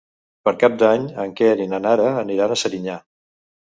Per Cap d'Any en Quer i na Nara aniran a Serinyà.